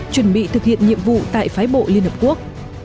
chuẩn bị thực hiện nhiệm vụ tại phái bộ liên hợp quốc